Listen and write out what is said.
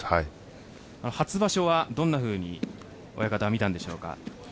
初場所はどんなふうに親方は見たんでしょうか？